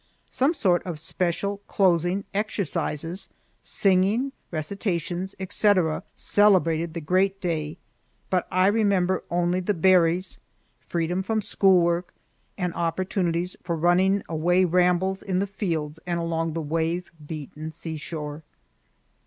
Some sort of special closing exercises—singing, recitations, etc.—celebrated the great day, but I remember only the berries, freedom from school work, and opportunities for run away rambles in the fields and along the wave beaten seashore.